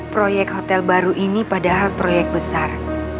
proyek hotel baru ini padahal proyek besar